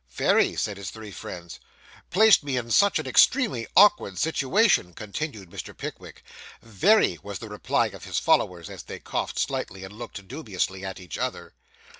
'Very,' said his three friends. 'Placed me in such an extremely awkward situation,' continued Mr. Pickwick. 'Very,' was the reply of his followers, as they coughed slightly, and looked dubiously at each other.